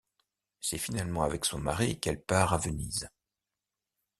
C'est finalement avec son mari qu'elle part à Venise.